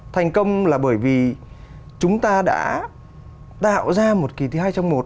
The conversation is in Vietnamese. thành công là bởi vì chúng ta đã tạo ra một kỳ thi hai trong một